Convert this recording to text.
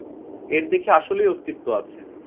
এর দেখি আসলেই অস্তিত্ব আছে।